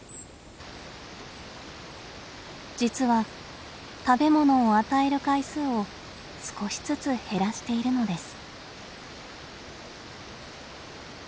実は食べ物を与える回数を少しずつ減らしているのです。